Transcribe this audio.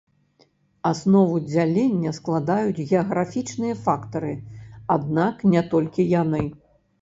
Аснову дзялення складаюць геаграфічныя фактары, аднак не толькі яны.